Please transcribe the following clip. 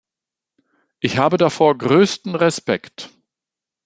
Ich habe davor größten Respekt.